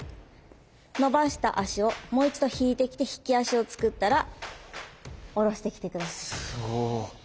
伸ばした足をもう一度引いてきて引き足を作ったら下ろしてきて下さい。